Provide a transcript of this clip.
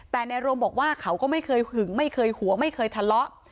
แต่ในรวมบอกว่าเขาก็ไม่เคยหึงไม่เคยหัวไม่เคยทะเลาะ